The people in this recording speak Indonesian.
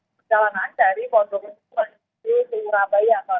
kecelakaan dari jalan jalan bukit lumpur